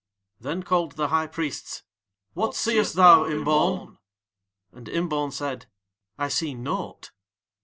Then called the High Prophets: "What seest thou, Imbaun?" And Imbaun said: "I see naught."